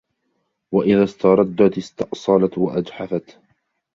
وَإِذَا اسْتَرَدَّتْ اسْتَأْصَلَتْ وَأَجْحَفَتْ